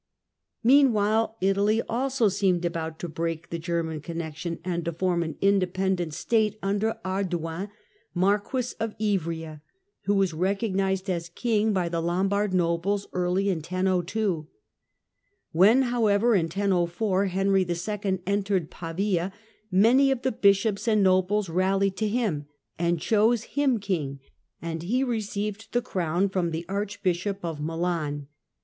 Meanwhile Italy also seemed about to break the Ger man connexion and to form an independent state under Ardoin, Marquis of Ivrea, who was recognized as king by First the Lombard nobles early in 1002. When, however, in peditSn,^' 1004, Henry II. entered Pavia, many of the bishops and ^^^^ nobles rallied to him, and chose him king, and he received the crown from the hands of the Archbishop of Milan.